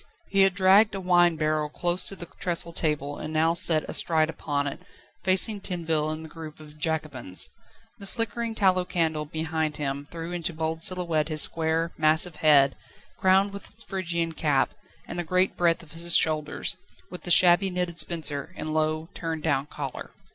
He had dragged a wine barrel close to the trestle table, and now sat astride upon it, facing Tinville and the group of Jacobins. The flickering tallow candle behind him threw into bold silhouette his square, massive head, crowned with its Phrygian cap, and the great breadth of his shoulders, with the shabby knitted spencer and low, turned down collar.